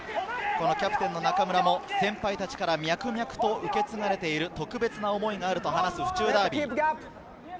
キャプテン・中村も先輩達から脈々と受け継がれている特別な思いがあると話す府中ダービー。